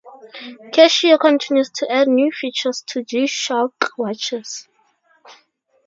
Casio continues to add new features to G-Shock watches.